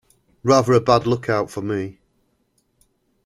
Rather a bad look-out for me!